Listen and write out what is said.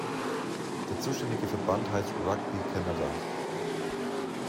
Der zuständige Verband heißt Rugby Canada.